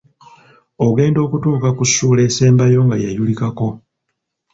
Ogenda okutuuka ku ssuula esembayo nga yayulikako!